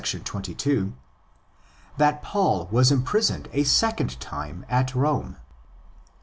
22), that Paul was imprisoned a second time at Rome.